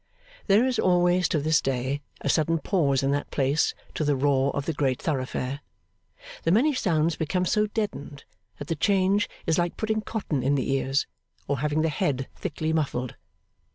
There is always, to this day, a sudden pause in that place to the roar of the great thoroughfare. The many sounds become so deadened that the change is like putting cotton in the ears, or having the head thickly muffled.